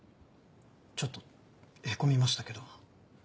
ちょっとへこみましたけど。